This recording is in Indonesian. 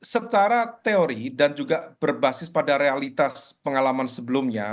secara teori dan juga berbasis pada realitas pengalaman sebelumnya